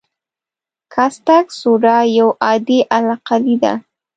کاستک سوډا یو عادي القلي ده.